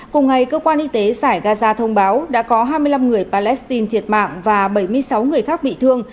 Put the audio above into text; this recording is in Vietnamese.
cùng ngày cơ quan y tế giải gaza thông báo đã có hai mươi năm người palestine thiệt mạng và bảy mươi sáu người khác bị thương